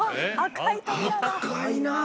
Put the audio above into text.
赤いなぁ。